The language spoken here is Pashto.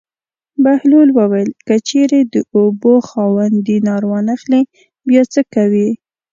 بهلول وویل: که چېرې د اوبو خاوند دینار وانه خلي بیا څه کوې.